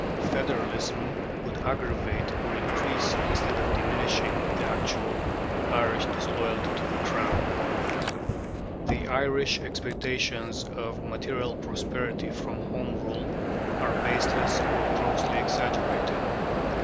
Federalism would aggravate or increase instead of diminishing the actual Irish disloyalty to the Crown (pp. 179 80); the Irish expectations of material prosperity from Home Rule are baseless or grossly exaggerated (p.